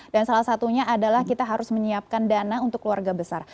dan salah satunya adalah kita harus menyiapkan dana untuk keluarga besar